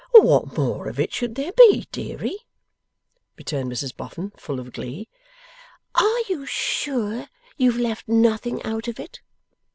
'What more of it should there be, deary?' returned Mrs Boffin, full of glee. 'Are you sure you have left nothing out of it?